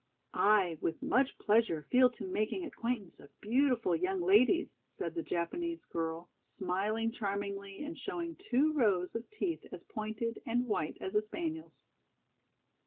"I with much pleasure feel to making acquaintance of beautiful young ladies," said the Japanese girl, smiling charmingly and showing two rows of teeth as pointed and white as a spaniel's.